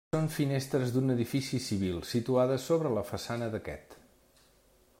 Són finestres d'un edifici civil, situades sobre la façana d'aquest.